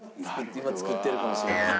今作ってるかもしれません。